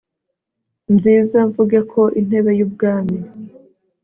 nziza, mvuge ko intebe y'ubwami